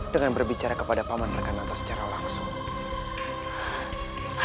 dengan berbicara kepada paman rekananta secara langsung